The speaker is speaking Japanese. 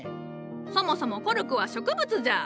そもそもコルクは植物じゃ。